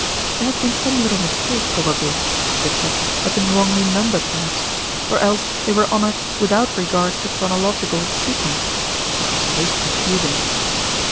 There had been some little mistake probably; the cheques had been wrongly numbered perhaps, or else they were honored without regard to chronological se quence, which was most confusing.